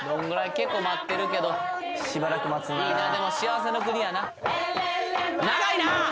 結構待ってるけどしばらく待つないいなでも幸せの国やな長いな！